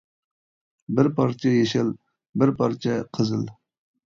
بىر پارچە يېشىل، بىر پارچە قىزىل!